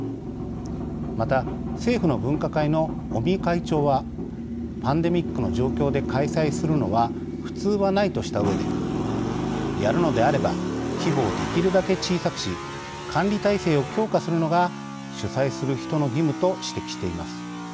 また政府の分科会の尾身会長はパンデミックの状況で開催するのは普通はないとしたうえでやるのであれば規模をできるだけ小さくし管理体制を強化するのが主催する人の義務と指摘しています。